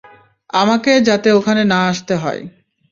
আমাকে যাতে ওখানে না আসতে হয়!